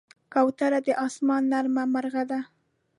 کوتره د آسمان نرمه مرغه ده.